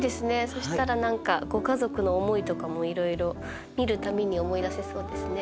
そしたら何かご家族の思いとかもいろいろ見る度に思い出せそうですね。